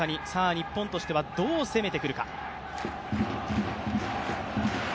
日本としてはどう攻めてくるか。